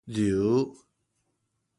揉